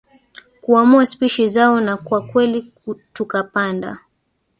kuamua spishi zao na kwa kweli tukapanda